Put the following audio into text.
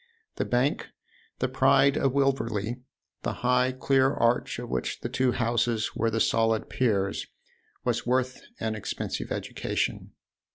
The Bank, the pride of Wilverley, the high clear arch of which the two houses were the solid piers, was worth an expensive education.